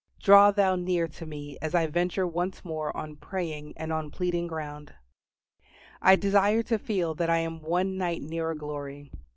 Draw Thou near to me as I venture once more on praying and on pleading ground. I desire to feel that I am one night nearer glory.